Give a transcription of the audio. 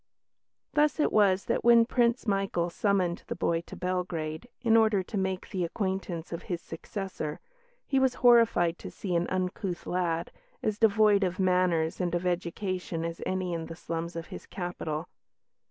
Thus it was that, when Prince Michael summoned the boy to Belgrade, in order to make the acquaintance of his successor, he was horrified to see an uncouth lad, as devoid of manners and of education as any in the slums of his capital.